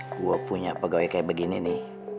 gue punya pegawai kayak begini nih